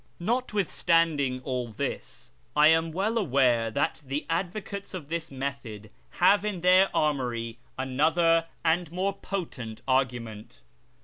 Notwithstanding all this, I am well aware that the advocates of this method have in their armoury another and a INTRODUCTORY more potent argument.